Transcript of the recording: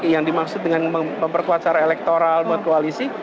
yang dimaksud dengan memperkuat secara elektoral buat koalisi